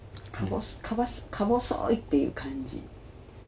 かぼそいっていう感じ。